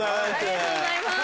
ありがとうございます。